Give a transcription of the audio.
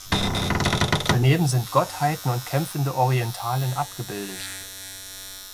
Daneben sind Gottheiten und kämpfende Orientalen abgebildet.